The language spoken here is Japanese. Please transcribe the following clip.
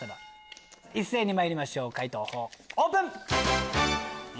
一斉にまいりましょう解答のほうオープン！